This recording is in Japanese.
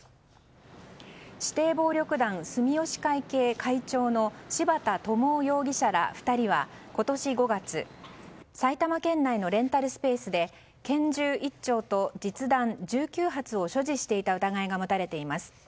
指定暴力団住吉会系会長の柴田智生容疑者ら２人は今年５月埼玉県内のレンタルスペースで拳銃１丁と実弾１９発を所持していた疑いが持たれています。